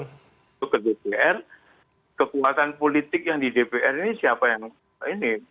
untuk ke dpr kekuatan politik yang di dpr ini siapa yang ini